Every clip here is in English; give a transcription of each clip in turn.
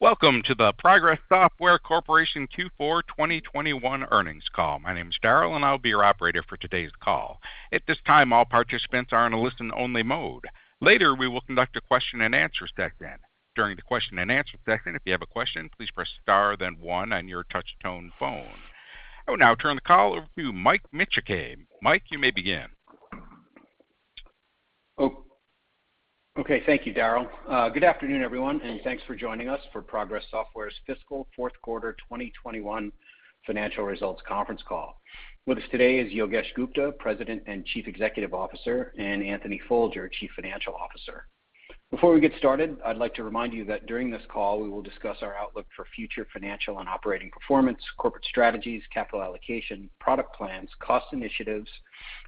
Welcome to the Progress Software Corporation Q4 2021 Earnings Call. My name is Daryl, and I'll be your operator for today's call. At this time, all participants are in a listen-only mode. Later, we will conduct a question-and-answer session. During the question-and-answer session, if you have a question, please press star then one on your touch-tone phone. I will now turn the call over to Mike Micciche. Mike, you may begin. Thank you, Daryl. Good afternoon, everyone, and thanks for joining us for Progress Software's Fiscal Fourth Quarter 2021 Financial Results Conference Call. With us today is Yogesh Gupta, President and Chief Executive Officer, and Anthony Folger, Chief Financial Officer. Before we get started, I'd like to remind you that during this call, we will discuss our outlook for future financial and operating performance, corporate strategies, capital allocation, product plans, cost initiatives,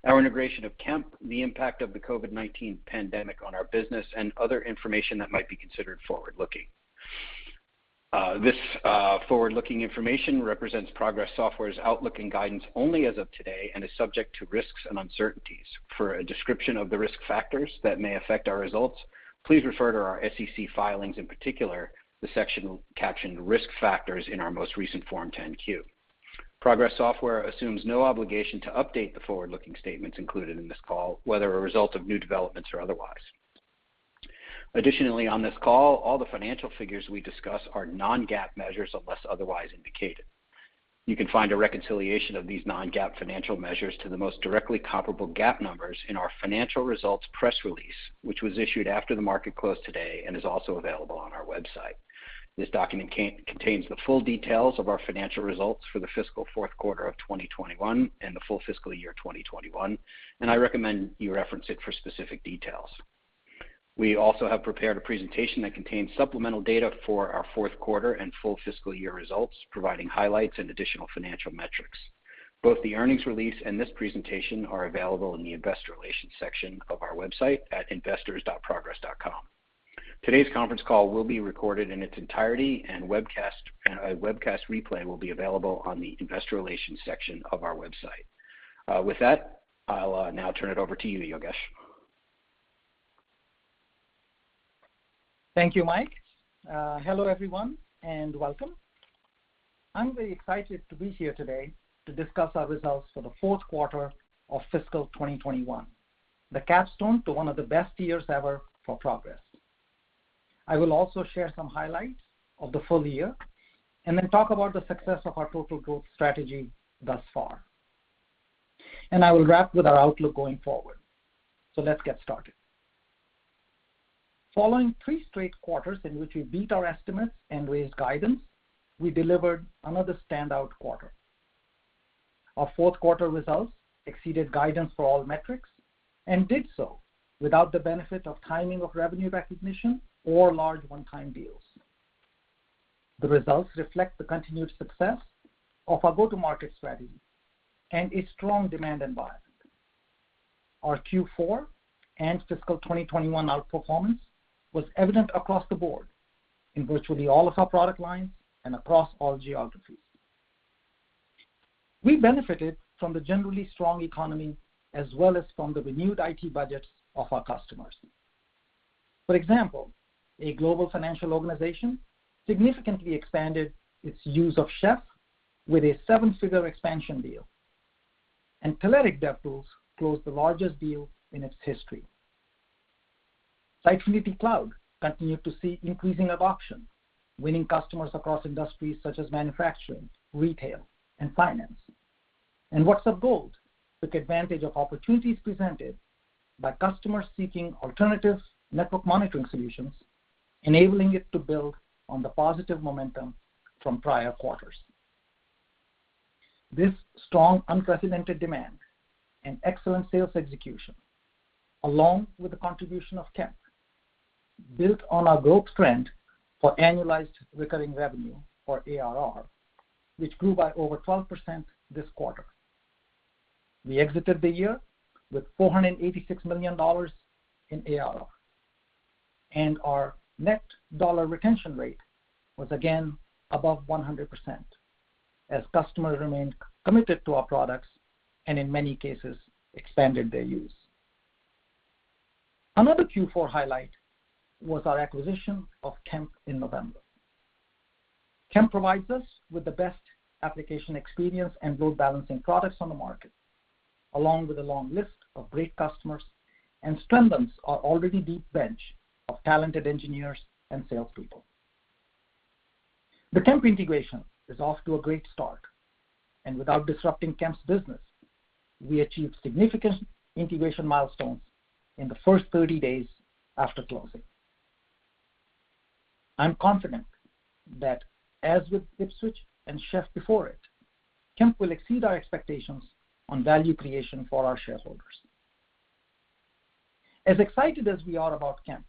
our integration of Kemp, the impact of the COVID-19 pandemic on our business, and other information that might be considered forward-looking. This forward-looking information represents Progress Software's outlook and guidance only as of today and is subject to risks and uncertainties. For a description of the risk factors that may affect our results, please refer to our SEC filings, in particular, the section captioned Risk Factors in our most recent Form 10-Q. Progress Software assumes no obligation to update the forward-looking statements included in this call, whether a result of new developments or otherwise. Additionally, on this call, all the financial figures we discuss are non-GAAP measures unless otherwise indicated. You can find a reconciliation of these non-GAAP financial measures to the most directly comparable GAAP numbers in our financial results press release, which was issued after the market close today and is also available on our website. This document contains the full details of our financial results for the fiscal fourth quarter of 2021 and the full fiscal year 2021, and I recommend you reference it for specific details. We also have prepared a presentation that contains supplemental data for our fourth quarter and full fiscal year results, providing highlights and additional financial metrics. Both the earnings release and this presentation are available in the Investor Relations section of our website at investors.progress.com. Today's conference call will be recorded in its entirety, and a webcast replay will be available on the Investor Relations section of our website. With that, I'll now turn it over to you, Yogesh. Thank you, Mike. Hello, everyone, and welcome. I'm very excited to be here today to discuss our results for the fourth quarter of fiscal 2021, the capstone to one of the best years ever for Progress. I will also share some highlights of the full year and then talk about the success of our total growth strategy thus far. I will wrap with our outlook going forward. Let's get started. Following three straight quarters in which we beat our estimates and raised guidance, we delivered another standout quarter. Our fourth quarter results exceeded guidance for all metrics and did so without the benefit of timing of revenue recognition or large one-time deals. The results reflect the continued success of our go-to-market strategy and a strong demand environment. Our Q4 and fiscal 2021 outperformance was evident across the board in virtually all of our product lines and across all geographies. We benefited from the generally strong economy as well as from the renewed IT budgets of our customers. For example, a global financial organization significantly expanded its use of Chef with a seven-figure expansion deal. Telerik DevTools closed the largest deal in its history. Sitefinity Cloud continued to see increasing adoption, winning customers across industries such as manufacturing, retail, and finance. WhatsUp Gold took advantage of opportunities presented by customers seeking alternative network monitoring solutions, enabling it to build on the positive momentum from prior quarters. This strong unprecedented demand and excellent sales execution, along with the contribution of Kemp, built on our growth trend for annualized recurring revenue or ARR, which grew by over 12% this quarter. We exited the year with $486 million in ARR, and our net dollar retention rate was again above 100% as customers remained committed to our products and in many cases expanded their use. Another Q4 highlight was our acquisition of Kemp in November. Kemp provides us with the best application experience and load balancing products on the market, along with a long list of great customers, and strengthens our already deep bench of talented engineers and salespeople. The Kemp integration is off to a great start, and without disrupting Kemp's business, we achieved significant integration milestones in the first 30 days after closing. I'm confident that as with Ipswitch and Chef before it, Kemp will exceed our expectations on value creation for our shareholders. As excited as we are about Kemp,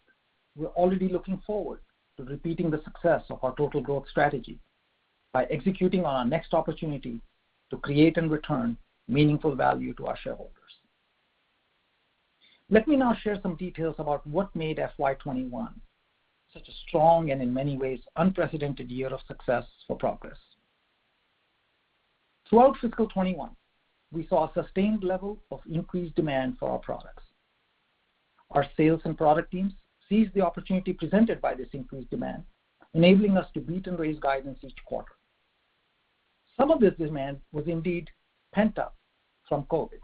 we're already looking forward to repeating the success of our total growth strategy by executing on our next opportunity to create and return meaningful value to our shareholders. Let me now share some details about what made FY 2021 such a strong and in many ways unprecedented year of success for Progress. Throughout fiscal 2021, we saw a sustained level of increased demand for our products. Our sales and product teams seized the opportunity presented by this increased demand, enabling us to meet and raise guidance each quarter. Some of this demand was indeed pent-up from COVID,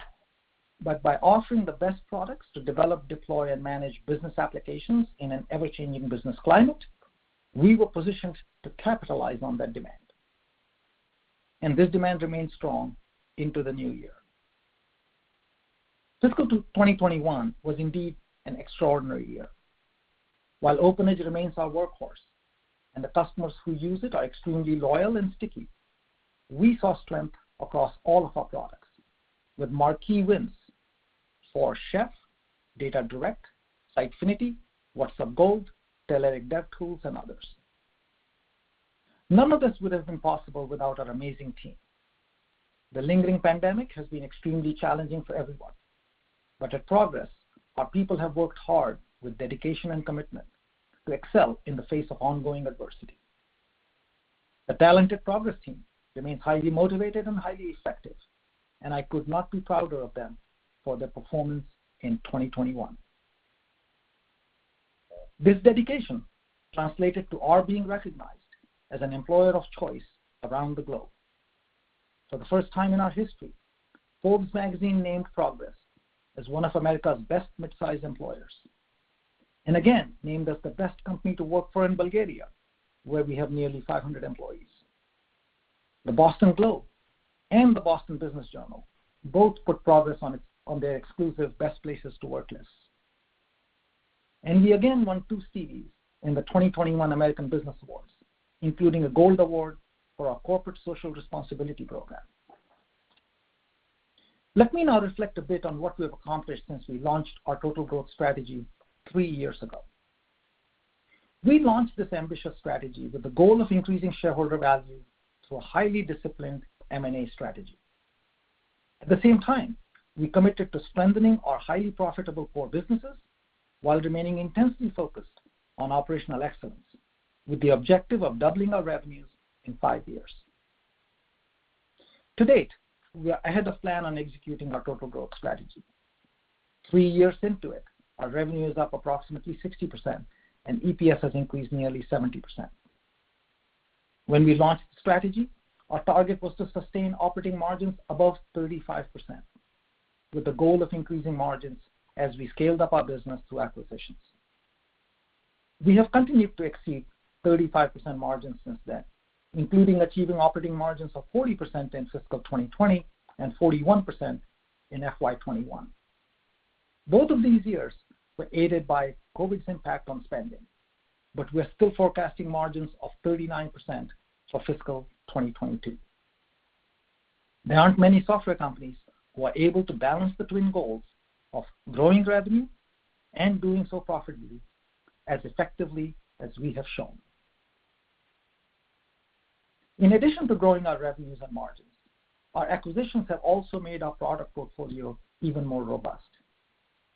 but by offering the best products to develop, deploy, and manage business applications in an ever-changing business climate, we were positioned to capitalize on that demand, and this demand remains strong into the new year. Fiscal 2021 was indeed an extraordinary year. While OpenEdge remains our workhorse and the customers who use it are extremely loyal and sticky, we saw strength across all of our products with marquee wins for Chef, DataDirect, Sitefinity, WhatsUp Gold, Telerik DevTools, and others. None of this would have been possible without our amazing team. The lingering pandemic has been extremely challenging for everyone, but at Progress, our people have worked hard with dedication and commitment to excel in the face of ongoing adversity. The talented Progress team remains highly motivated and highly effective, and I could not be prouder of them for their performance in 2021. This dedication translated to our being recognized as an employer of choice around the globe. For the first time in our history, Forbes named Progress as one of America's best mid-size employers, and again, named as the best company to work for in Bulgaria, where we have nearly 500 employees. The Boston Globe and the Boston Business Journal both put Progress on their exclusive best places to work lists. We again won two Stevies in the 2021 American Business Awards, including a Gold Award for our corporate social responsibility program. Let me now reflect a bit on what we have accomplished since we launched our total growth strategy three years ago. We launched this ambitious strategy with the goal of increasing shareholder value through a highly disciplined M&A strategy. At the same time, we committed to strengthening our highly profitable core businesses while remaining intensely focused on operational excellence with the objective of doubling our revenues in five years. To date, we are ahead of plan on executing our total growth strategy. Three years into it, our revenue is up approximately 60%, and EPS has increased nearly 70%. When we launched the strategy, our target was to sustain operating margins above 35% with the goal of increasing margins as we scaled up our business through acquisitions. We have continued to exceed 35% margins since then, including achieving operating margins of 40% in fiscal 2020 and 41% in FY 2021. Both of these years were aided by COVID's impact on spending, but we're still forecasting margins of 39% for fiscal 2022. There aren't many software companies who are able to balance the twin goals of growing revenue and doing so profitably as effectively as we have shown. In addition to growing our revenues and margins, our acquisitions have also made our product portfolio even more robust.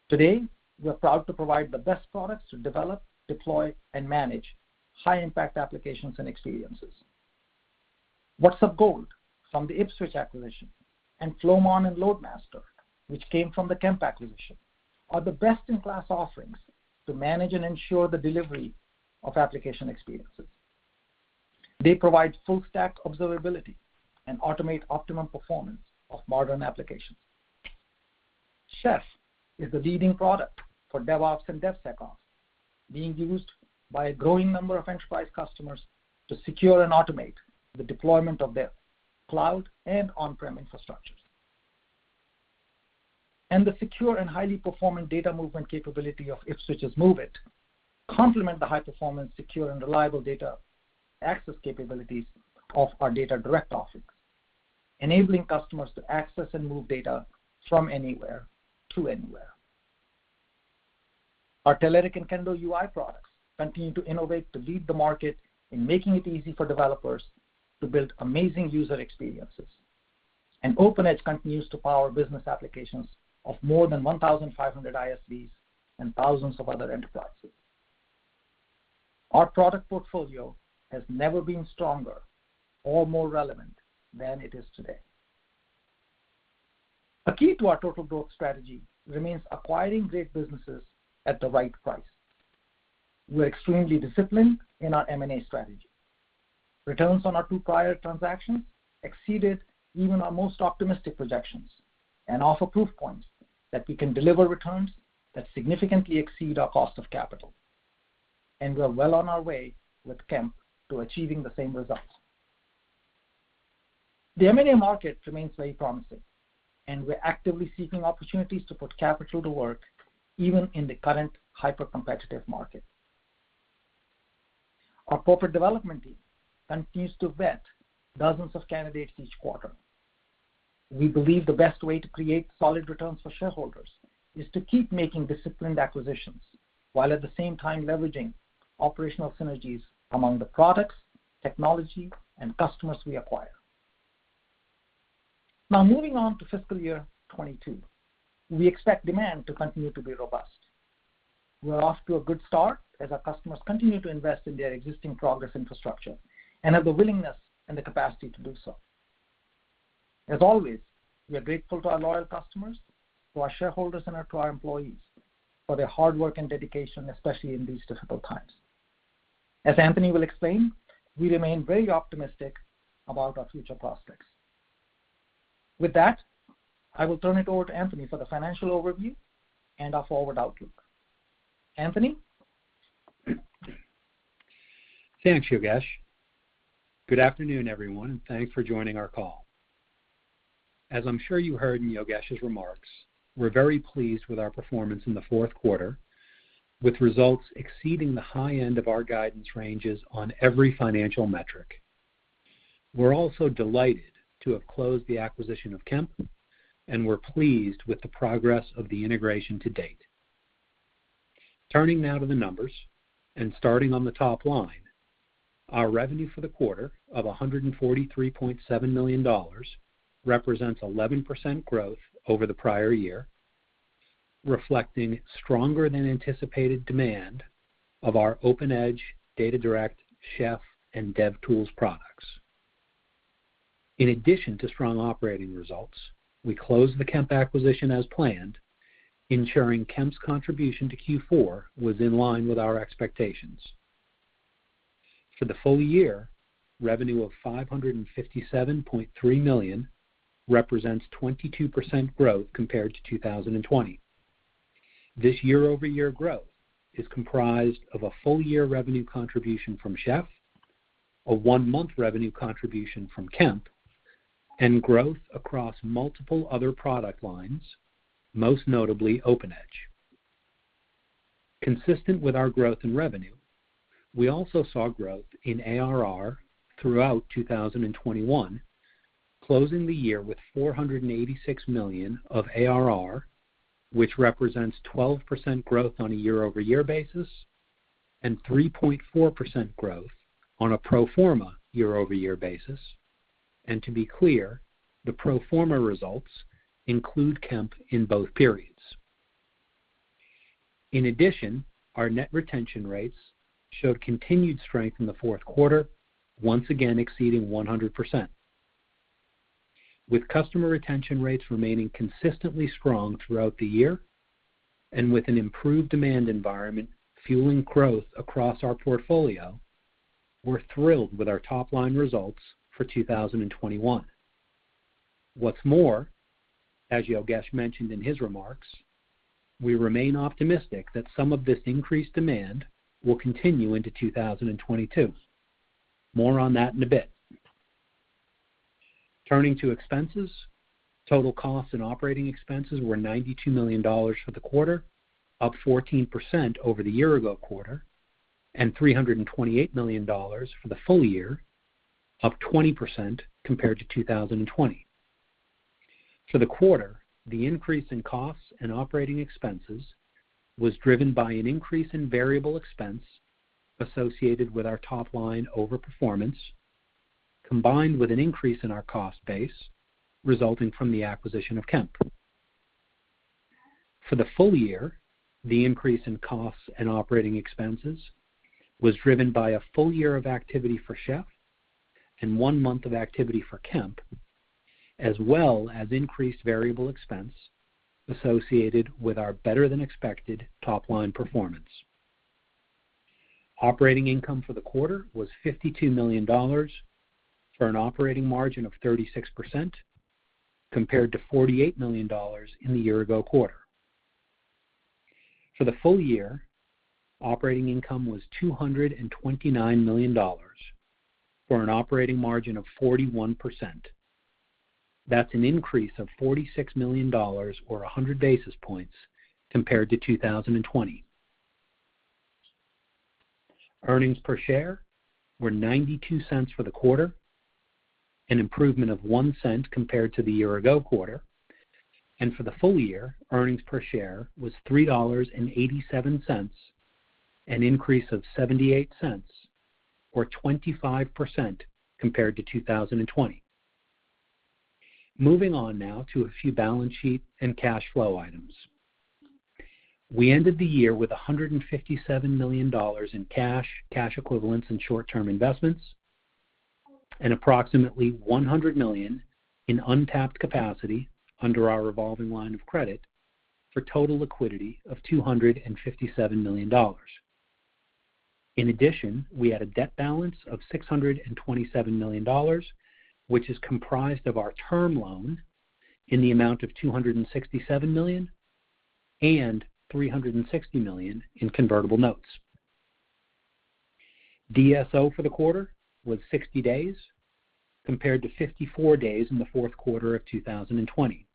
Today, we are proud to provide the best products to develop, deploy, and manage high impact applications and experiences. WhatsUp Gold from the Ipswitch acquisition and Flowmon and LoadMaster, which came from the Kemp acquisition, are the best-in-class offerings to manage and ensure the delivery of application experiences. They provide full stack observability and automate optimum performance of modern applications. Chef is the leading product for DevOps and DevSecOps, being used by a growing number of enterprise customers to secure and automate the deployment of their cloud and on-prem infrastructures. The secure and highly performant data movement capability of Ipswitch's MOVEit complement the high performance, secure, and reliable data access capabilities of our DataDirect offerings, enabling customers to access and move data from anywhere to anywhere. Our Telerik and Kendo UI products continue to innovate to lead the market in making it easy for developers to build amazing user experiences. OpenEdge continues to power business applications of more than 1,500 ISVs and thousands of other enterprises. Our product portfolio has never been stronger or more relevant than it is today. A key to our total growth strategy remains acquiring great businesses at the right price. We're extremely disciplined in our M&A strategy. Returns on our two prior transactions exceeded even our most optimistic projections and offer proof points that we can deliver returns that significantly exceed our cost of capital. We're well on our way with Kemp to achieving the same results. The M&A market remains very promising, and we're actively seeking opportunities to put capital to work even in the current hyper-competitive market. Our corporate development team continues to vet dozens of candidates each quarter. We believe the best way to create solid returns for shareholders is to keep making disciplined acquisitions while at the same time leveraging operational synergies among the products, technology, and customers we acquire. Now, moving on to fiscal year 2022. We expect demand to continue to be robust. We are off to a good start as our customers continue to invest in their existing Progress infrastructure and have the willingness and the capacity to do so. As always, we are grateful to our loyal customers, to our shareholders, and our employees for their hard work and dedication, especially in these difficult times. As Anthony will explain, we remain very optimistic about our future prospects. With that, I will turn it over to Anthony for the financial overview and our forward outlook. Anthony? Thanks, Yogesh. Good afternoon, everyone, and thanks for joining our call. As I'm sure you heard in Yogesh's remarks, we're very pleased with our performance in the fourth quarter, with results exceeding the high end of our guidance ranges on every financial metric. We're also delighted to have closed the acquisition of Kemp, and we're pleased with the progress of the integration to date. Turning now to the numbers and starting on the top line, our revenue for the quarter of $143.7 million represents 11% growth over the prior year, reflecting stronger than anticipated demand of our OpenEdge, DataDirect, Chef, and DevTools products. In addition to strong operating results, we closed the Kemp acquisition as planned, ensuring Kemp's contribution to Q4 was in line with our expectations. For the full year, revenue of $557.3 million represents 22% growth compared to 2020. This year-over-year growth is comprised of a full year revenue contribution from Chef, a one-month revenue contribution from Kemp, and growth across multiple other product lines, most notably OpenEdge. Consistent with our growth in revenue, we also saw growth in ARR throughout 2021, closing the year with $486 million of ARR, which represents 12% growth on a year-over-year basis and 3.4% growth on a pro forma year-over-year basis. To be clear, the pro forma results include Kemp in both periods. In addition, our net retention rates showed continued strength in the fourth quarter, once again exceeding 100%. With customer retention rates remaining consistently strong throughout the year and with an improved demand environment fueling growth across our portfolio, we're thrilled with our top-line results for 2021. What's more, as Yogesh mentioned in his remarks, we remain optimistic that some of this increased demand will continue into 2022. More on that in a bit. Turning to expenses, total costs and operating expenses were $92 million for the quarter, up 14% over the year-ago quarter, and $328 million for the full year, up 20% compared to 2020. For the quarter, the increase in costs and operating expenses was driven by an increase in variable expense associated with our top-line overperformance, combined with an increase in our cost base resulting from the acquisition of Kemp. For the full year, the increase in costs and operating expenses was driven by a full year of activity for Chef and one month of activity for Kemp, as well as increased variable expense associated with our better than expected top line performance. Operating income for the quarter was $52 million, for an operating margin of 36% compared to $48 million in the year ago quarter. For the full year, operating income was $229 million for an operating margin of 41%. That's an increase of $46 million or 100 basis points compared to 2020. Earnings per share were $0.92 for the quarter, an improvement of $0.01 compared to the year ago quarter. For the full year, earnings per share was $3.87, an increase of $0.78 or 25% compared to 2020. Moving on now to a few balance sheet and cash flow items. We ended the year with $157 million in cash equivalents, and short-term investments, and approximately $100 million in untapped capacity under our revolving line of credit for total liquidity of $257 million. In addition, we had a debt balance of $627 million, which is comprised of our term loan in the amount of $267 million and $360 million in convertible notes. DSO for the quarter was 60 days compared to 54 days in the fourth quarter of 2020.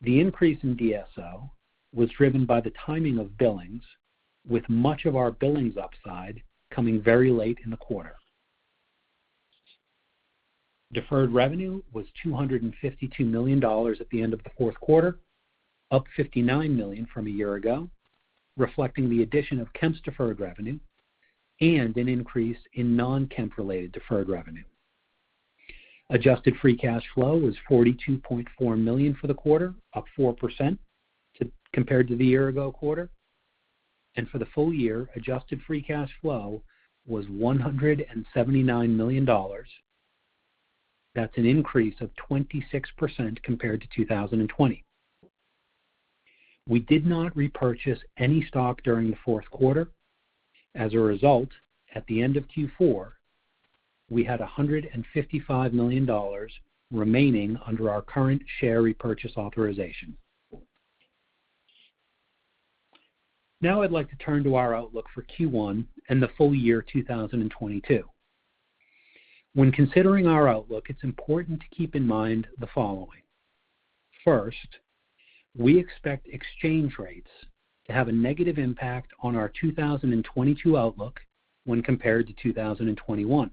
The increase in DSO was driven by the timing of billings, with much of our billings upside coming very late in the quarter. Deferred revenue was $252 million at the end of the fourth quarter, up $59 million from a year ago, reflecting the addition of Kemp's deferred revenue and an increase in non-Kemp related deferred revenue. Adjusted free cash flow was $42.4 million for the quarter, up 4% compared to the year ago quarter. For the full year, adjusted free cash flow was $179 million. That's an increase of 26% compared to 2020. We did not repurchase any stock during the fourth quarter. As a result, at the end of Q4, we had $155 million remaining under our current share repurchase authorization. Now I'd like to turn to our outlook for Q1 and the full year 2022. When considering our outlook, it's important to keep in mind the following. First, we expect exchange rates to have a negative impact on our 2022 outlook when compared to 2021.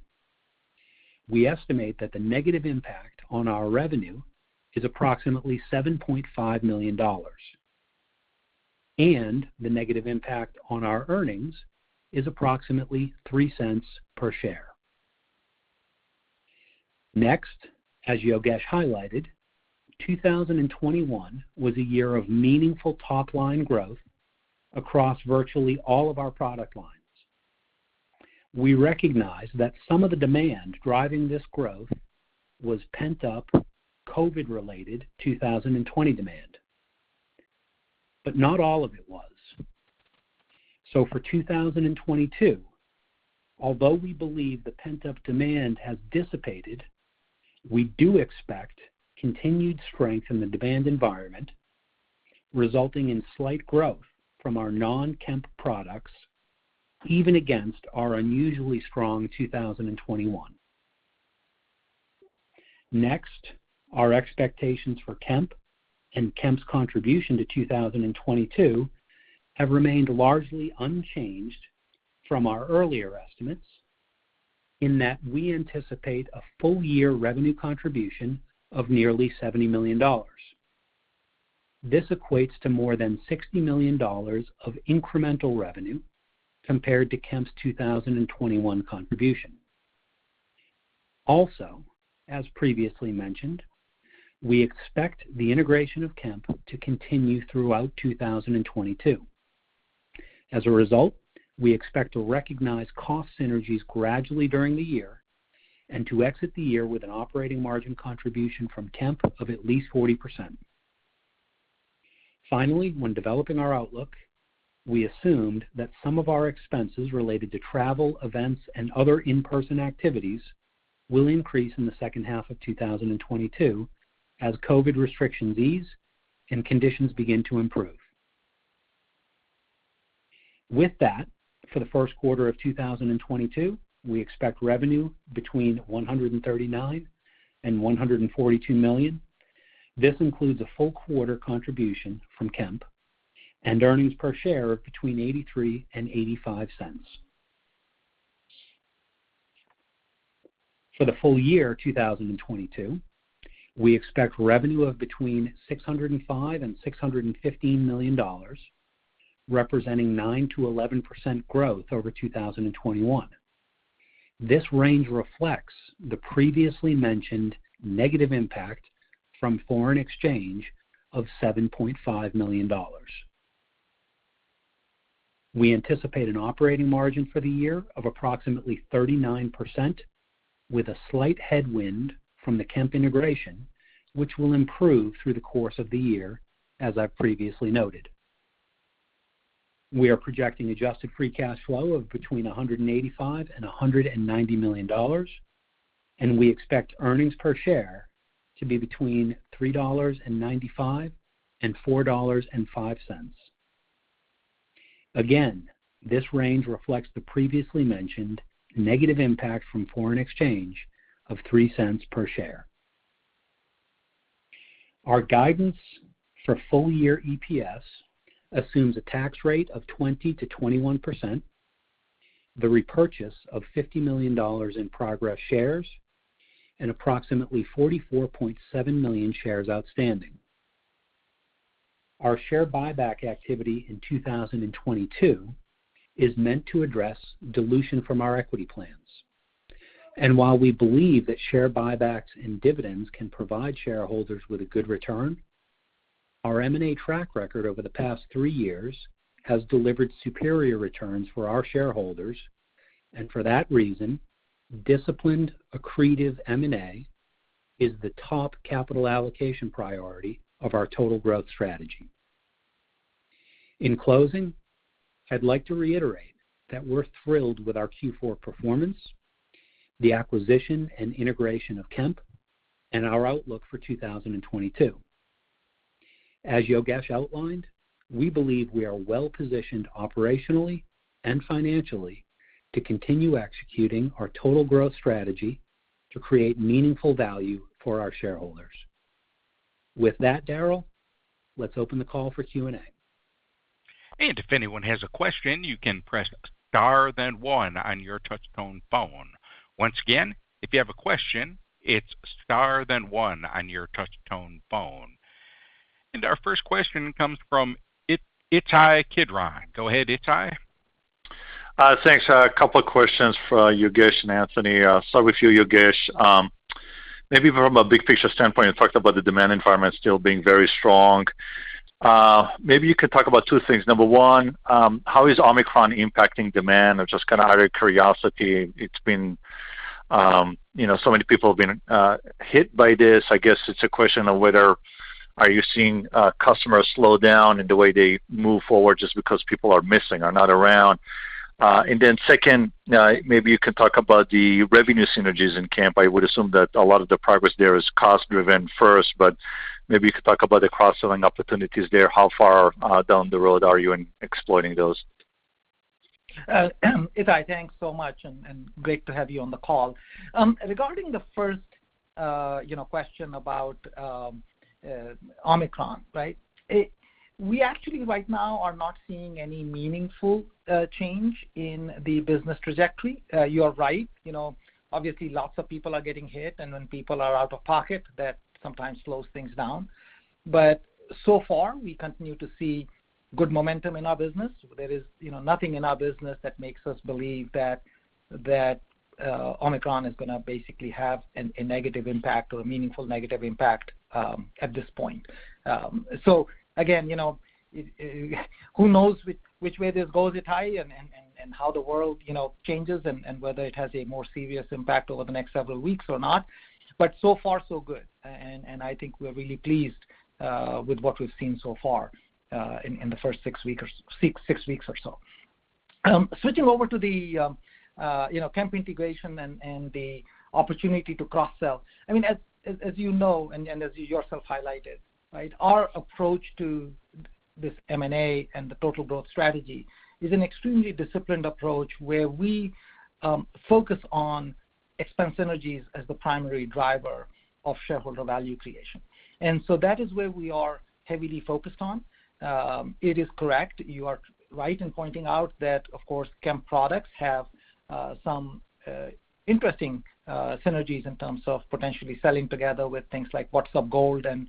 We estimate that the negative impact on our revenue is approximately $7.5 million, and the negative impact on our earnings is approximately $0.03 per share. Next, as Yogesh highlighted, 2021 was a year of meaningful top-line growth across virtually all of our product lines. We recognize that some of the demand driving this growth was pent-up COVID-related 2020 demand, but not all of it was. For 2022, although we believe the pent-up demand has dissipated, we do expect continued strength in the demand environment, resulting in slight growth from our non-Kemp products, even against our unusually strong 2021. Next, our expectations for Kemp and Kemp's contribution to 2022 have remained largely unchanged from our earlier estimates in that we anticipate a full year revenue contribution of nearly $70 million. This equates to more than $60 million of incremental revenue compared to Kemp's 2021 contribution. Also, as previously mentioned, we expect the integration of Kemp to continue throughout 2022. As a result, we expect to recognize cost synergies gradually during the year and to exit the year with an operating margin contribution from Kemp of at least 40%. Finally, when developing our outlook, we assumed that some of our expenses related to travel, events, and other in-person activities will increase in the second half of 2022 as COVID restrictions ease and conditions begin to improve. With that, for the first quarter of 2022, we expect revenue between $139 million and $142 million. This includes a full quarter contribution from Kemp and earnings per share of between $0.83 and $0.85. For the full year 2022, we expect revenue of between $605 million and $615 million, representing 9%-11% growth over 2021. This range reflects the previously mentioned negative impact from foreign exchange of $7.5 million. We anticipate an operating margin for the year of approximately 39% with a slight headwind from the Kemp integration, which will improve through the course of the year, as I previously noted. We are projecting adjusted free cash flow of between $185 million and $190 million, and we expect earnings per share to be between $3.95 and $4.05. Again, this range reflects the previously mentioned negative impact from foreign exchange of $0.03 per share. Our guidance for full year EPS assumes a tax rate of 20%-21%, the repurchase of $50 million in Progress shares, and approximately 44.7 million shares outstanding. Our share buyback activity in 2022 is meant to address dilution from our equity plans. While we believe that share buybacks and dividends can provide shareholders with a good return, our M&A track record over the past three years has delivered superior returns for our shareholders. For that reason, disciplined, accretive M&A is the top capital allocation priority of our total growth strategy. In closing, I'd like to reiterate that we're thrilled with our Q4 performance, the acquisition and integration of Kemp, and our outlook for 2022. As Yogesh outlined, we believe we are well positioned operationally and financially to continue executing our total growth strategy to create meaningful value for our shareholders. With that, Daryl, let's open the call for Q&A. If anyone has a question, you can press star then one on your touch-tone phone. Once again, if you have a question, it's star then one on your touch-tone phone. Our first question comes from Ittai Kidron. Go ahead, Ittai. Thanks. A couple of questions for Yogesh and Anthony. Start with you, Yogesh. Maybe from a big picture standpoint, you talked about the demand environment still being very strong. Maybe you could talk about two things. Number one, how is Omicron impacting demand? Just out of curiosity, it's been, you know, so many people have been hit by this. I guess it's a question of whether are you seeing customers slow down in the way they move forward just because people are missing or not around? And then second, maybe you can talk about the revenue synergies in Kemp. I would assume that a lot of the progress there is cost-driven first, but maybe you could talk about the cross-selling opportunities there. How far down the road are you in exploiting those? Ittai, thanks so much, and great to have you on the call. Regarding the first, you know, question about Omicron, right? We actually right now are not seeing any meaningful change in the business trajectory. You are right. You know, obviously, lots of people are getting hit, and when people are out of pocket, that sometimes slows things down. So far, we continue to see good momentum in our business. There is, you know, nothing in our business that makes us believe that Omicron is gonna basically have a negative impact or a meaningful negative impact at this point. Again, you know, who knows which way this goes, Ittai, and how the world, you know, changes and whether it has a more serious impact over the next several weeks or not. So far so good. I think we're really pleased with what we've seen so far in the first six weeks or so. Switching over to the, you know, Kemp integration and the opportunity to cross-sell. I mean, as you know, and as you yourself highlighted, right, our approach to this M&A and the total growth strategy is an extremely disciplined approach where we focus on expense synergies as the primary driver of shareholder value creation. That is where we are heavily focused on. It is correct. You are right in pointing out that, of course, Kemp products have some interesting synergies in terms of potentially selling together with things like WhatsUp Gold and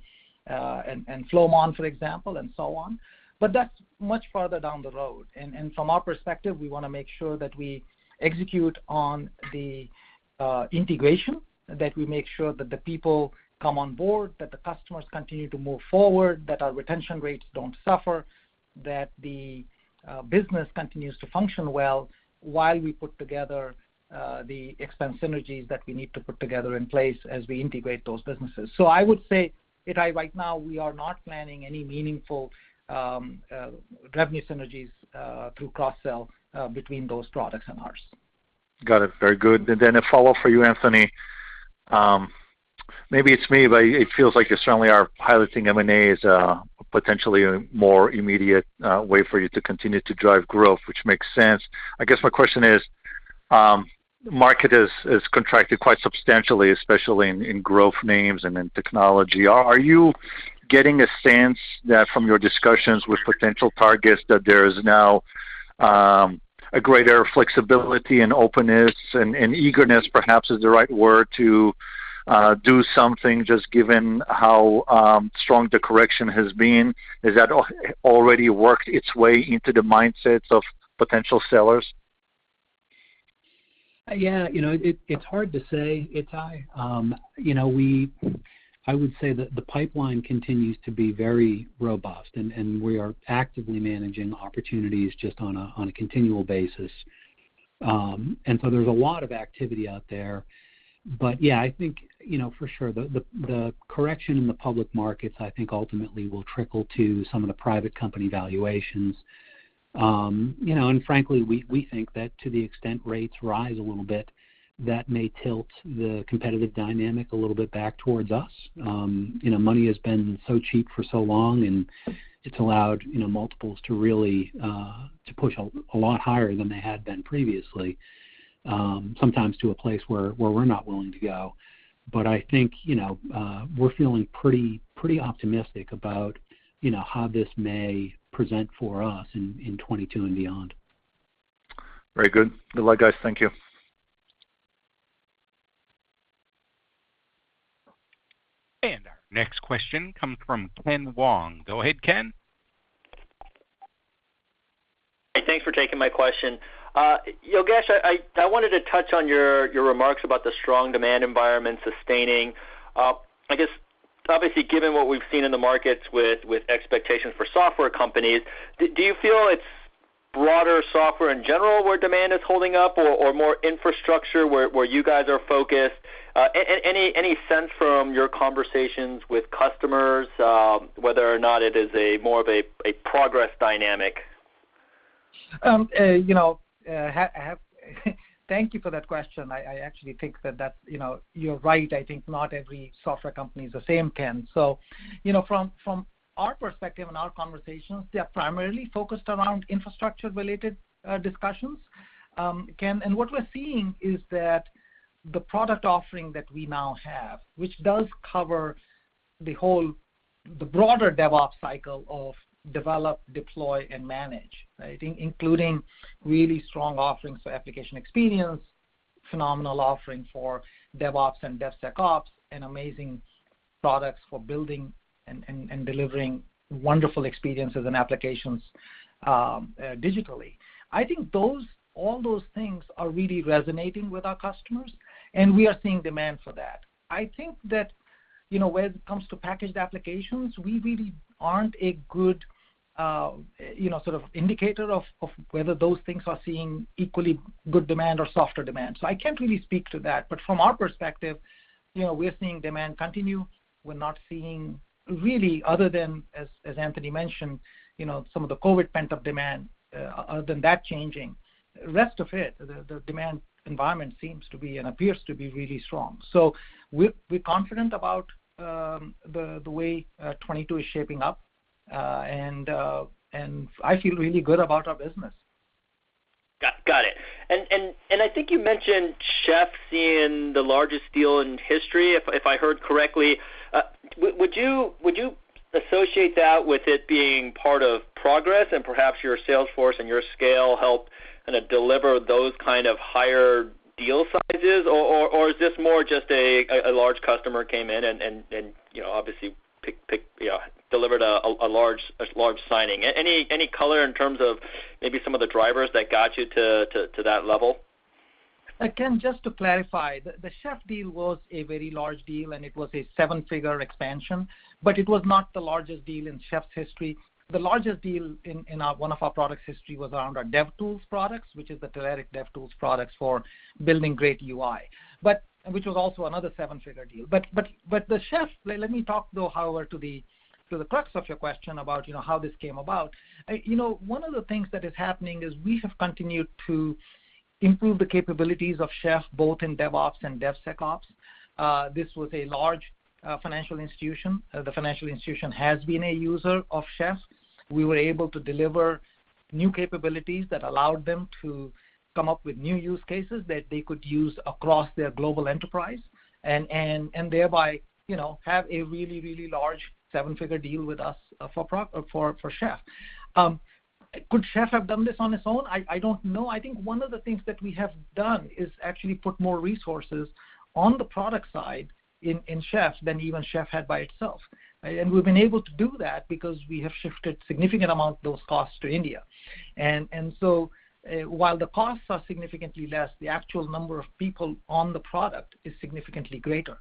Flowmon, for example, and so on. That's much further down the road. From our perspective, we want to make sure that we execute on the integration, that we make sure that the people come on board, that the customers continue to move forward, that our retention rates don't suffer, that the business continues to function well while we put together the expense synergies that we need to put together in place as we integrate those businesses. I would say, Ittai, right now, we are not planning any meaningful revenue synergies through cross-sell between those products and ours. Got it. Very good. A follow-up for you, Anthony. Maybe it's me, but it feels like you certainly are piloting M&A as a potentially more immediate way for you to continue to drive growth, which makes sense. I guess my question is, market has contracted quite substantially, especially in growth names and in technology. Are you getting a sense that from your discussions with potential targets that there is now a greater flexibility and openness and eagerness, perhaps is the right word, to do something just given how strong the correction has been? Has that already worked its way into the mindsets of potential sellers? Yeah, you know, it's hard to say, Ittai. I would say that the pipeline continues to be very robust, and we are actively managing opportunities just on a continual basis. There's a lot of activity out there. Yeah, I think, you know, for sure, the correction in the public markets I think ultimately will trickle to some of the private company valuations. You know, and frankly, we think that to the extent rates rise a little bit, that may tilt the competitive dynamic a little bit back towards us. You know, money has been so cheap for so long, and it's allowed, you know, multiples to really push a lot higher than they had been previously, sometimes to a place where we're not willing to go. I think, you know, we're feeling pretty optimistic about, you know, how this may present for us in 2022 and beyond. Very good. Good luck, guys. Thank you. Our next question comes from Ken Wong. Go ahead, Ken. Hey, thanks for taking my question. Yogesh, I wanted to touch on your remarks about the strong demand environment sustaining. I guess obviously, given what we've seen in the markets with expectations for software companies, do you feel it's broader software in general where demand is holding up or more infrastructure where you guys are focused? Any sense from your conversations with customers whether or not it is more of a Progress dynamic? Thank you for that question. I actually think that that's, you know, you're right. I think not every software company is the same, Ken. You know, from our perspective and our conversations, they are primarily focused around infrastructure-related discussions, Ken. What we're seeing is that the product offering that we now have, which does cover the broader DevOps cycle of develop, deploy, and manage, right? Including really strong offerings for application experience. Phenomenal offering for DevOps and DevSecOps, and amazing products for building and delivering wonderful experiences and applications digitally. I think all those things are really resonating with our customers, and we are seeing demand for that. I think that, you know, when it comes to packaged applications, we really aren't a good, you know, sort of indicator of whether those things are seeing equally good demand or softer demand. So I can't really speak to that. But from our perspective, you know, we're seeing demand continue. We're not seeing really other than, as Anthony mentioned, you know, some of the COVID pent-up demand, other than that changing. Rest of it, the demand environment seems to be and appears to be really strong. So we're confident about the way 2022 is shaping up. And I feel really good about our business. Got it. I think you mentioned Chef seeing the largest deal in history, if I heard correctly. Would you associate that with it being part of Progress and perhaps your sales force and your scale help kinda deliver those kind of higher deal sizes? Is this more just a large customer came in and you know obviously delivered a large signing? Any color in terms of maybe some of the drivers that got you to that level? Ken, just to clarify, the Chef deal was a very large deal, and it was a seven-figure expansion, but it was not the largest deal in Chef's history. The largest deal in our, one of our products history was around our DevTools products, which is the Telerik DevTools products for building great UI. But which was also another seven-figure deal. But the Chef. Let me talk, though, however to the crux of your question about, you know, how this came about. You know, one of the things that is happening is we have continued to improve the capabilities of Chef, both in DevOps and DevSecOps. This was a large financial institution. The financial institution has been a user of Chef. We were able to deliver new capabilities that allowed them to come up with new use cases that they could use across their global enterprise and thereby, you know, have a really large seven-figure deal with us for Chef. Could Chef have done this on its own? I don't know. I think one of the things that we have done is actually put more resources on the product side in Chef than even Chef had by itself. We've been able to do that because we have shifted significant amount of those costs to India. So while the costs are significantly less, the actual number of people on the product is significantly greater.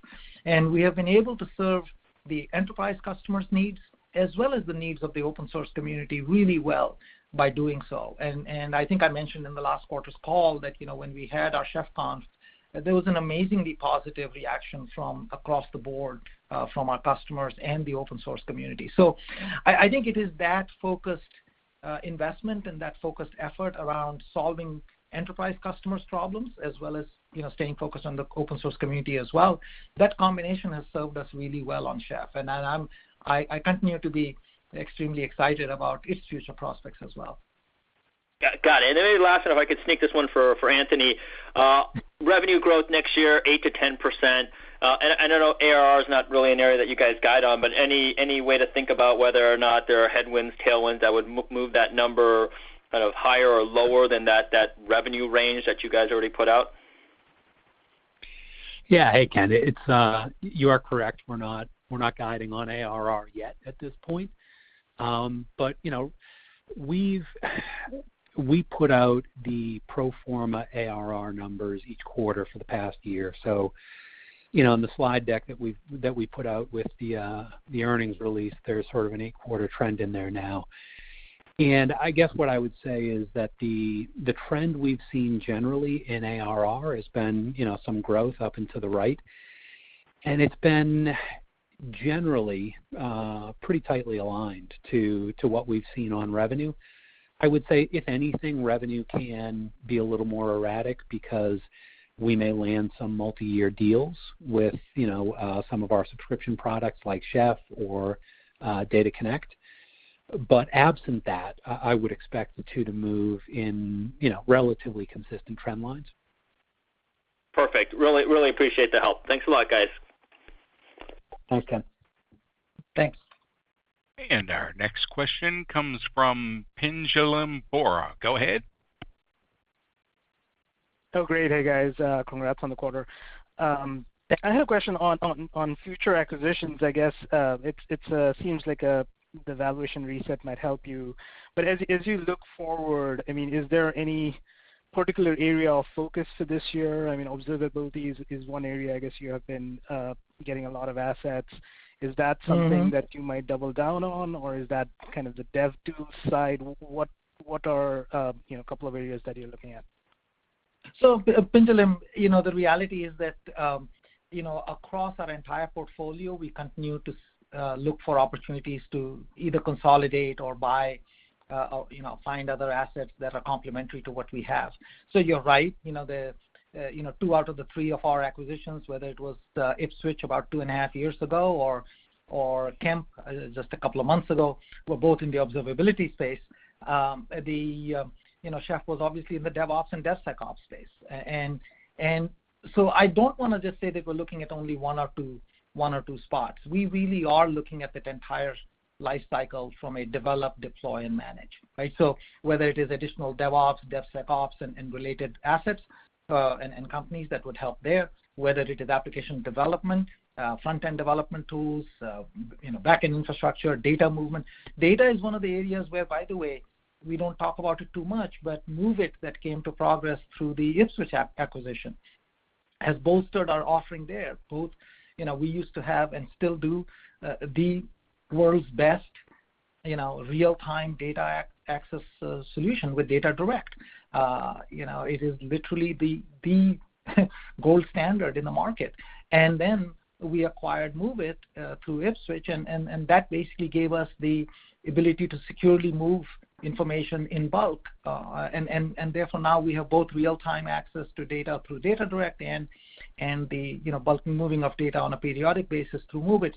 We have been able to serve the enterprise customers' needs as well as the needs of the open source community really well by doing so. I think I mentioned in the last quarter's call that, you know, when we had our ChefConf, there was an amazingly positive reaction from across the board, from our customers and the open source community. I think it is that focused investment and that focused effort around solving enterprise customers' problems as well as, you know, staying focused on the open source community as well, that combination has served us really well on Chef. I continue to be extremely excited about its future prospects as well. Got it. Maybe last, if I could sneak this one for Anthony. Revenue growth next year, 8%-10%. I know ARR is not really an area that you guys guide on, but any way to think about whether or not there are headwinds, tailwinds that would move that number kind of higher or lower than that revenue range that you guys already put out? Yeah. Hey, Ken. It's you are correct. We're not guiding on ARR yet at this point. You know, we put out the pro forma ARR numbers each quarter for the past year. You know, on the slide deck that we put out with the earnings release, there's sort of an eight-quarter trend in there now. I guess what I would say is that the trend we've seen generally in ARR has been some growth up and to the right, and it's been generally pretty tightly aligned to what we've seen on revenue. I would say if anything, revenue can be a little more erratic because we may land some multiyear deals with some of our subscription products like Chef or DataDirect. Absent that, I would expect the two to move in, you know, relatively consistent trend lines. Perfect. Really appreciate the help. Thanks a lot, guys. Thanks, Ken. Thanks. Our next question comes from Pinjalim Bora. Go ahead. Oh, great. Hey, guys. Congrats on the quarter. I had a question on future acquisitions, I guess. It seems like the valuation reset might help you. As you look forward, I mean, is there any particular area of focus for this year? I mean, observability is one area I guess you have been getting a lot of assets. Is that something- Mm-hmm. that you might double down on, or is that kind of the DevTools side? What are, you know, a couple of areas that you're looking at? Pinjalim, you know, the reality is that, you know, across our entire portfolio, we continue to look for opportunities to either consolidate or buy or, you know, find other assets that are complementary to what we have. You're right, you know, two out of the three of our acquisitions, whether it was Ipswitch about two and a half years ago or Kemp just a couple of months ago, were both in the observability space. Chef was obviously in the DevOps and DevSecOps space. I don't want to just say that we're looking at only one or two spots. We really are looking at the entire life cycle from a develop, deploy, and manage, right? Whether it is additional DevOps, DevSecOps and related assets and companies that would help there, whether it is application development, front-end development tools, you know, back-end infrastructure, data movement. Data is one of the areas where, by the way, we don't talk about it too much, but MOVEit that came to Progress through the Ipswitch acquisition has bolstered our offering there. Both, you know, we used to have and still do the world's best, you know, real-time data access solution with DataDirect. You know, it is literally the gold standard in the market. We acquired MOVEit through Ipswitch, and that basically gave us the ability to securely move information in bulk. Therefore now we have both real-time access to data through DataDirect and the, you know, bulk moving of data on a periodic basis through MOVEit.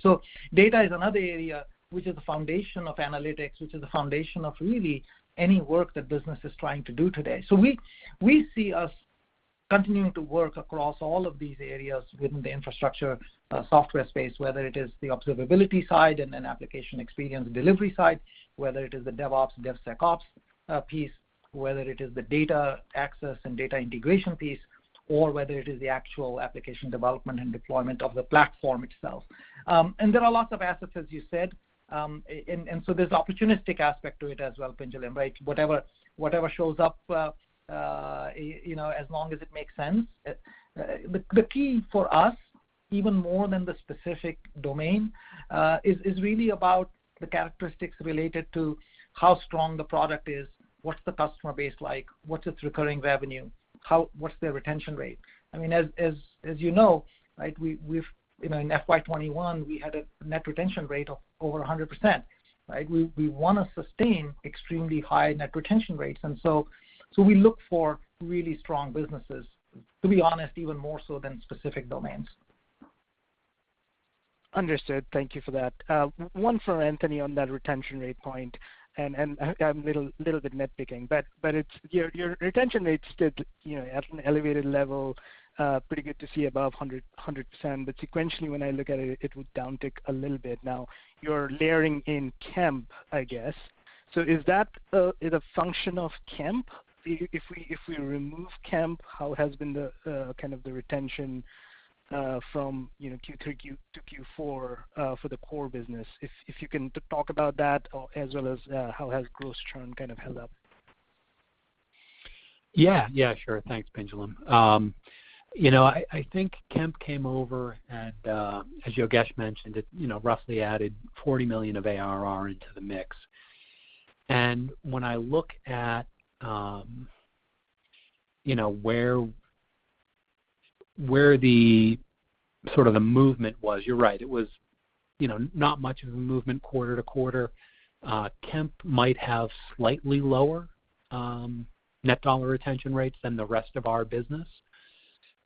Data is another area which is the foundation of analytics, which is the foundation of really any work that business is trying to do today. We see us continuing to work across all of these areas within the infrastructure software space, whether it is the observability side and then application experience delivery side, whether it is the DevOps, DevSecOps piece, whether it is the data access and data integration piece, or whether it is the actual application development and deployment of the platform itself. There are lots of assets, as you said, so there's opportunistic aspect to it as well, Pinjalim, right? Whatever shows up, you know, as long as it makes sense. The key for us, even more than the specific domain, is really about the characteristics related to how strong the product is. What's the customer base like? What's its recurring revenue? What's their retention rate? I mean, as you know, right, we've you know, in FY 2021 we had a net retention rate of over 100%, right? We wanna sustain extremely high net retention rates, and so we look for really strong businesses, to be honest, even more so than specific domains. Understood. Thank you for that. One for Anthony on that retention rate point, and I'm a little bit nitpicking, but it's. Your retention rates stood, you know, at an elevated level, pretty good to see above 100%. Sequentially, when I look at it would downtick a little bit. Now you're layering in Kemp, I guess. Is that a function of Kemp? If we remove Kemp, how has been the kind of the retention from, you know, Q3-Q4 for the core business? If you can talk about that, as well as how has gross churn kind of held up? Yeah. Yeah, sure. Thanks, Pinjalim. I think Kemp came over and, as Yogesh mentioned, roughly added $40 million of ARR into the mix. When I look at where the sort of the movement was, you're right, it was not much of a movement quarter-to-quarter. Kemp might have slightly lower net dollar retention rates than the rest of our business.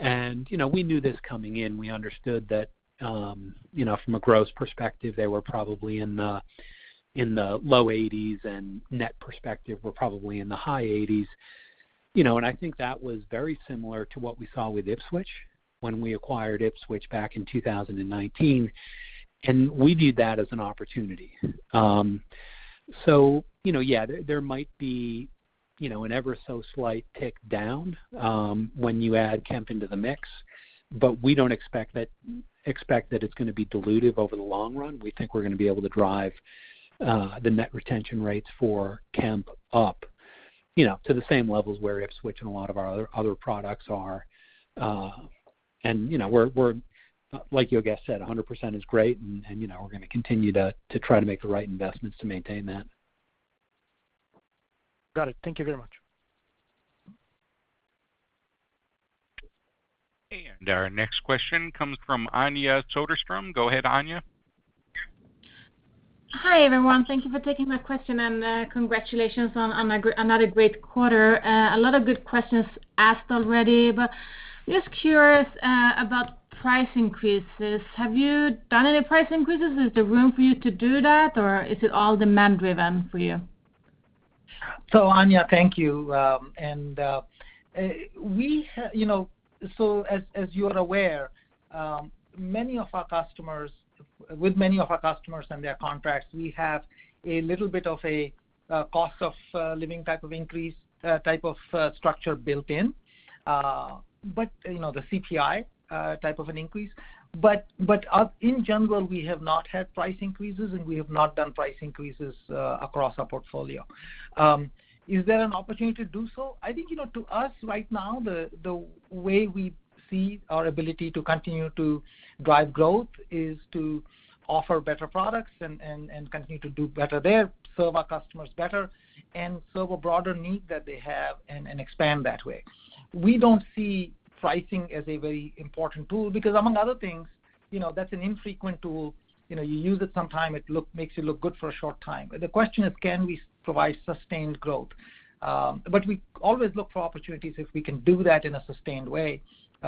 We knew this coming in. We understood that from a gross perspective, they were probably in the low-80s% and net perspective were probably in the high-80s%. I think that was very similar to what we saw with Ipswitch when we acquired Ipswitch back in 2019, and we viewed that as an opportunity. You know, yeah, there might be an ever so slight tick down when you add Kemp into the mix. We don't expect that it's gonna be dilutive over the long run. We think we're gonna be able to drive the net retention rates for Kemp up, you know, to the same levels where Ipswitch and a lot of our other products are. You know, we're like Yogesh said, 100% is great and you know, we're gonna continue to try to make the right investments to maintain that. Got it. Thank you very much. Our next question comes from Anja Soderstrom. Go ahead, Anja. Hi, everyone. Thank you for taking my question and, congratulations on another great quarter. A lot of good questions asked already, but just curious about price increases. Have you done any price increases? Is there room for you to do that, or is it all demand driven for you? Anja, thank you. You know, as you're aware, with many of our customers and their contracts, we have a little bit of a cost of living type of increase type of structure built in. You know, the CPI type of an increase. In general, we have not had price increases, and we have not done price increases across our portfolio. Is there an opportunity to do so? I think, you know, to us right now, the way we see our ability to continue to drive growth is to offer better products and continue to do better there, serve our customers better and serve a broader need that they have and expand that way. We don't see pricing as a very important tool because among other things, you know, that's an infrequent tool. You know, you use it sometimes, it makes you look good for a short time. The question is, can we provide sustained growth? We always look for opportunities if we can do that in a sustained way,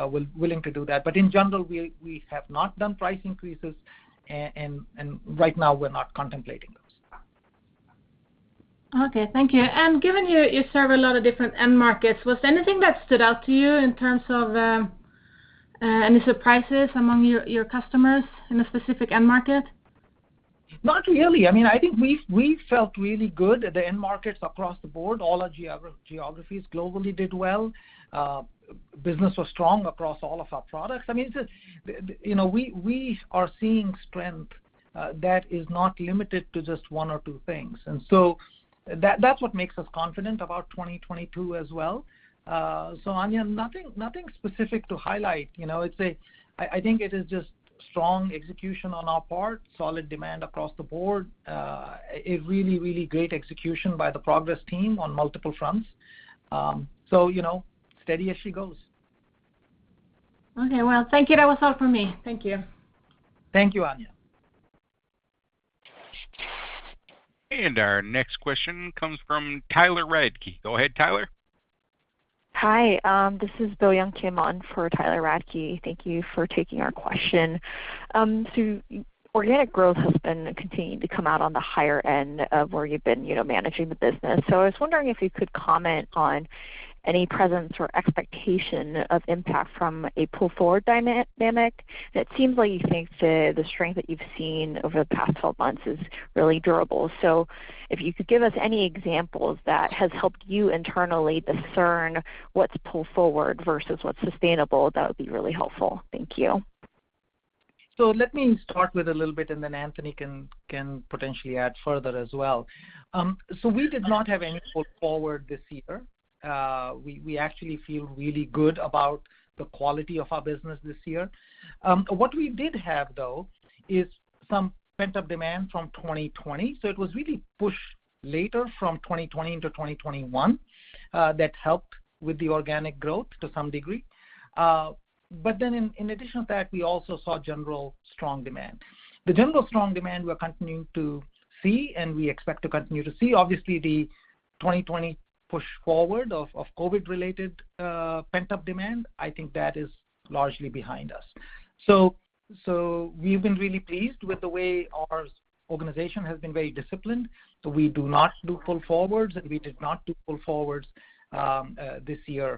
we're willing to do that. In general, we have not done price increases and right now we're not contemplating those. Okay. Thank you. Given you serve a lot of different end markets, was there anything that stood out to you in terms of any surprises among your customers in a specific end market? Not really. I mean, I think we felt really good at the end markets across the board. All our geographies globally did well. Business was strong across all of our products. I mean, it's a. You know, we are seeing strength that is not limited to just one or two things. That makes us confident about 2022 as well. So Anja, nothing specific to highlight. You know, I think it is just strong execution on our part, solid demand across the board, a really great execution by the Progress team on multiple fronts. You know, steady as she goes. Okay. Well, thank you. That was all from me. Thank you. Thank you, Anja. Our next question comes from Tyler Radke. Go ahead, Tyler. Hi, this is Boyoung Kim on for Tyler Radke. Thank you for taking our question. Organic growth has been continuing to come out on the higher end of where you've been, you know, managing the business, so I was wondering if you could comment on any presence or expectation of impact from a pull-forward dynamic. It seems like you think the strength that you've seen over the past 12 months is really durable. If you could give us any examples that has helped you internally discern what's pull-forward versus what's sustainable, that would be really helpful. Thank you. Let me start with a little bit, and then Anthony can potentially add further as well. We did not have any pull forward this year. We actually feel really good about the quality of our business this year. What we did have, though, is some pent-up demand from 2020, so it was really pushed later from 2020 into 2021, that helped with the organic growth to some degree. But then in addition to that, we also saw general strong demand. The general strong demand we're continuing to see and we expect to continue to see. Obviously, the 2020 push forward of COVID-related pent-up demand, I think that is largely behind us. We've been really pleased with the way our organization has been very disciplined. We do not do pull forwards, and we did not do pull forwards this year.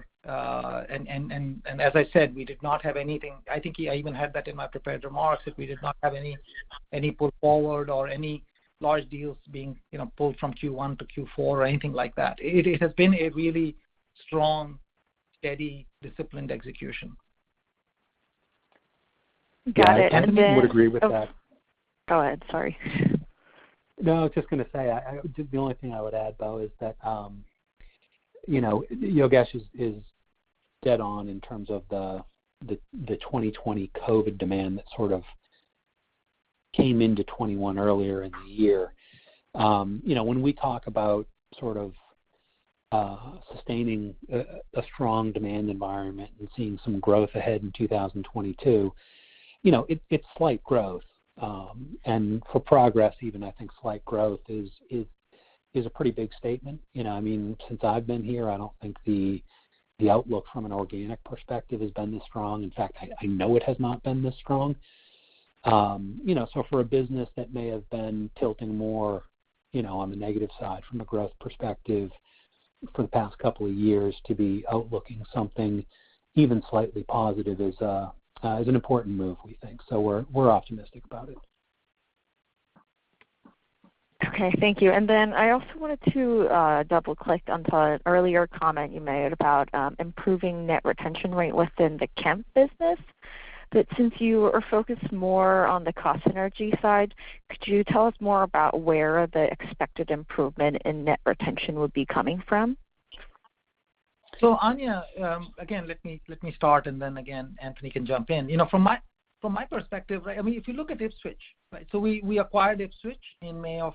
As I said, we did not have anything. I think I even had that in my prepared remarks, that we did not have any pull forward or any large deals being, you know, pulled from Q1 to Q4 or anything like that. It has been a really strong, steady, disciplined execution. Got it. Anthony? The only thing I would add with that. Oh. Go ahead. Sorry. No, I was just gonna say. The only thing I would add, Bo, is that, you know, Yogesh is dead on in terms of the 2020 COVID demand that sort of came into 2021 earlier in the year. You know, when we talk about sort of sustaining a strong demand environment and seeing some growth ahead in 2022, you know, it's slight growth. And for Progress even, I think slight growth is a pretty big statement. You know, I mean, since I've been here, I don't think the outlook from an organic perspective has been this strong. In fact, I know it has not been this strong. You know, so for a business that may have been tilting more, you know, on the negative side from a growth perspective for the past couple of years to be outlooking something even slightly positive is an important move, we think. We're optimistic about it. Okay. Thank you. I also wanted to double-click onto an earlier comment you made about improving net retention rate within the Kemp business. Since you are focused more on the cost synergy side, could you tell us more about where the expected improvement in net retention would be coming from? Bo, again, let me start and then Anthony can jump in. You know, from my perspective, I mean, if you look at Ipswitch, right? We acquired Ipswitch in May of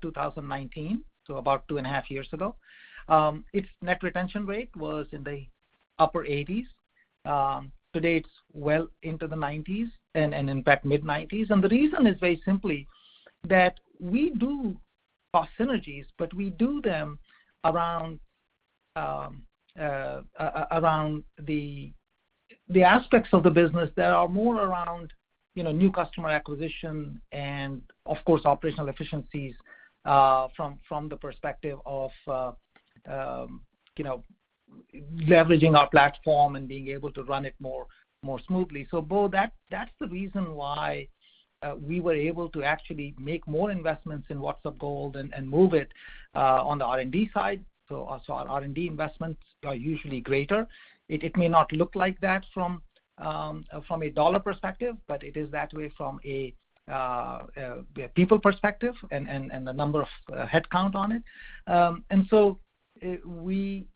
2019, so about two and a half years ago. Its net retention rate was in the upper 80s%. Today, it's well into the 90s% and in fact, mid-90s%. The reason is very simply that we do cost synergies, but we do them around the aspects of the business that are more around new customer acquisition and of course, operational efficiencies from the perspective of leveraging our platform and being able to run it more smoothly. Bo, that's the reason why we were able to actually make more investments in WhatsUp Gold and move it on the R&D side. Also our R&D investments are usually greater. It may not look like that from a dollar perspective, but it is that way from a people perspective and the number of headcount on it. We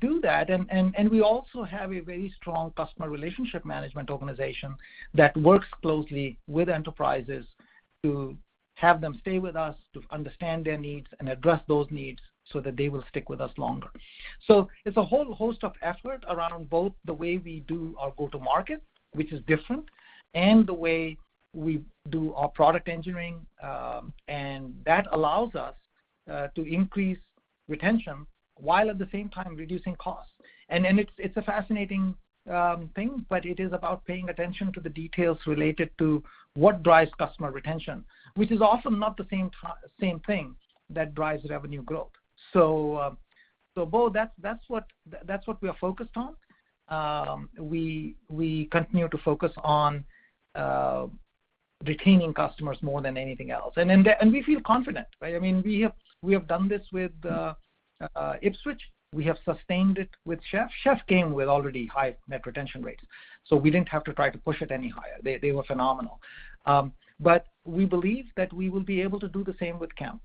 do that. We also have a very strong customer relationship management organization that works closely with enterprises to have them stay with us, to understand their needs, and address those needs so that they will stick with us longer. It's a whole host of effort around both the way we do our go-to-market, which is different, and the way we do our product engineering. That allows us to increase retention while at the same time reducing costs. It's a fascinating thing, but it is about paying attention to the details related to what drives customer retention, which is often not the same thing that drives revenue growth. Bo, that's what we are focused on. We continue to focus on retaining customers more than anything else. We feel confident, right? I mean, we have done this with Ipswitch. We have sustained it with Chef. Chef came with already high net retention rates, so we didn't have to try to push it any higher. They were phenomenal. We believe that we will be able to do the same with Kemp.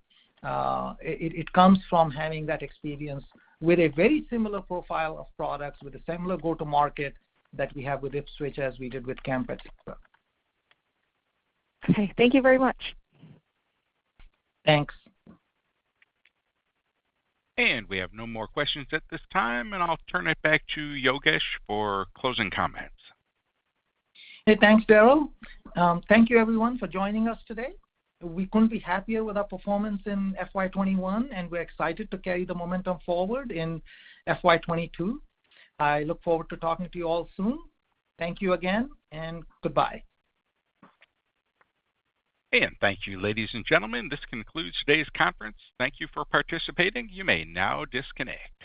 It comes from having that experience with a very similar profile of products, with a similar go-to-market that we have with Ipswitch as we did with Kemp et cetera. Okay. Thank you very much. Thanks. We have no more questions at this time, and I'll turn it back to Yogesh for closing comments. Hey, thanks, Daryl. Thank you everyone for joining us today. We couldn't be happier with our performance in FY 2021, and we're excited to carry the momentum forward in FY 2022. I look forward to talking to you all soon. Thank you again and goodbye. Thank you, ladies, and gentlemen. This concludes today's conference. Thank you for participating. You may now disconnect.